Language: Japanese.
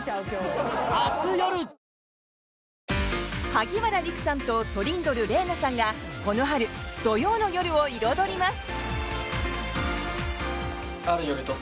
萩原利久さんとトリンドル玲奈さんがこの春、土曜の夜を彩ります。